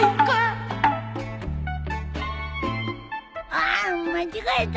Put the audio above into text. あーん間違えた。